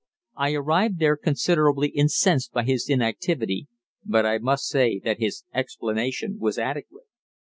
I arrived there considerably incensed by his inactivity, but I must say that his explanation was adequate.